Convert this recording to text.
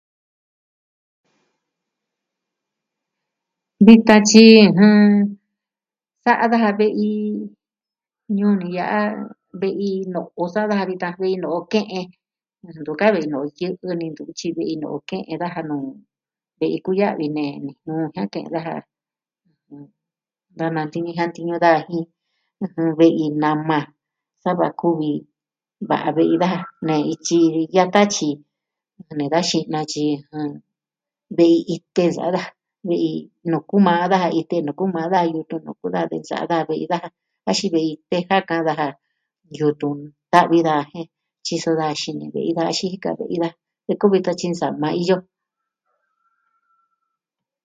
Vitan tyi jɨn... sa'a daja ve'i ñuu ni ya'a ve'i no'o sa'a daja vitan jin no'o ke'en. Ntu ka vi yɨ'ɨ ni ntu vi tyi vi iin no'o ke'en daja nuu ve'i kuya'vi nee jia'an ke'en daja. Da nantiñu jiantiñu daa jin ɨjɨn... ve'i nama sava kuvi va'a ve'i daja nee ityi yata tyi nee ka xinatyi jɨn... vi itɨ ya'a daja. Ve'i nuku maa daja itɨ, nuku maa daja yutun, nuku da ve'i tya da vi daja axin ve'i teja kaa daja, yutun nta'vi daa jen tyiso daa xini ve'i da xii jin ka vi daa. De kuvi ka tyi nsama iyo.